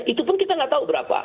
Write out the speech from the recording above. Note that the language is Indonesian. itu pun kita nggak tahu berapa